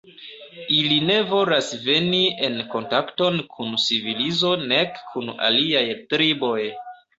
Ili ne volas veni en kontakton kun civilizo nek kun aliaj triboj.